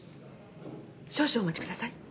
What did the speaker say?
少々お待ちください。